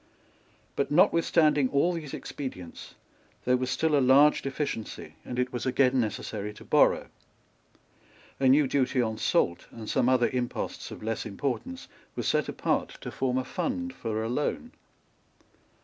But, notwithstanding all these expedients, there was still a large deficiency; and it was again necessary to borrow. A new duty on salt and some other imposts of less importance were set apart to form a fund for a loan.